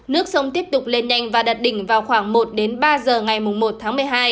nước sông tiếp tục lên nhanh và đặt đỉnh vào khoảng một đến ba giờ ngày một tháng một mươi hai